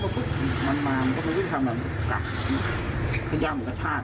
พอเปิดกล้องวงจรปิดรู้เลยโอ้โหพวกนี้มันตัวร้ายจริง